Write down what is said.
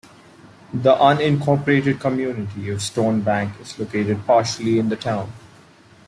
The unincorporated community of Stone Bank is located partially in the town.